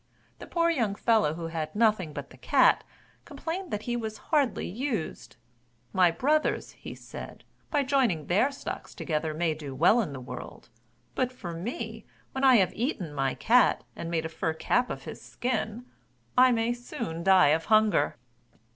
The poor young fellow who had nothing but the cat, complained that he was hardly used: "My brothers," said he, "by joining their stocks together, may do well in the world, but for me, when I have eaten my cat, and made a fur cap of his skin, I may soon die of hunger!"